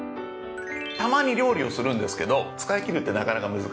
たまに料理をするんですけど使い切るってなかなか難しい。